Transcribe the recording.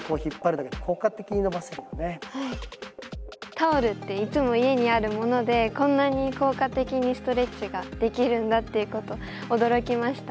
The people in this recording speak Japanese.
タオルっていつも家にあるものでこんなに効果的にストレッチができるんだっていうことに驚きました。